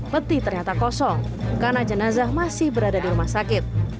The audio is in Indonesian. peti ternyata kosong karena jenazah masih berada di rumah sakit